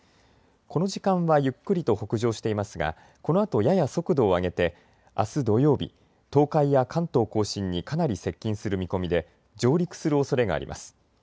この時間はゆっくりと北上していますがこのあとやや速度を上げてあす土曜日、東海や関東甲信にかなり接近する見込みで上陸するおそれがあります。